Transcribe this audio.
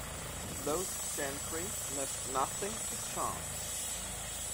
Those gentry left nothing to chance.